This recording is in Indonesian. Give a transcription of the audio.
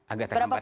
agak terlambat ya